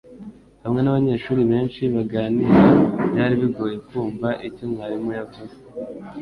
Hamwe nabanyeshuri benshi baganira byari bigoye kumva icyo mwarimu yavuze